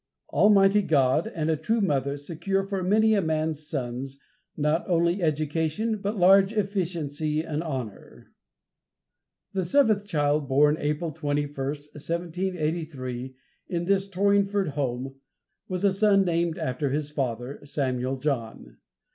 Almighty God and a true mother secure for many a man's sons, not only education, but large efficiency and honor. The seventh child, born April 21st, 1783, in this Torringford home, was a son, named after his father, Samuel John.